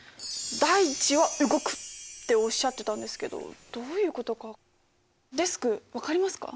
「大地は動く」っておっしゃってたんですけどどういうことかデスク分かりますか？